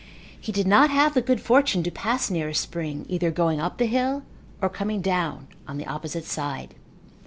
He did not have the good fortune to pass near a spring either going up the hill or coming down on the opposite side.